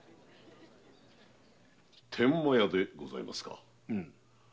“天満屋”でございますか？